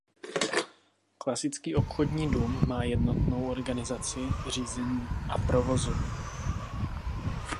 Klasický obchodní dům má jednotnou organizaci řízení a provozu.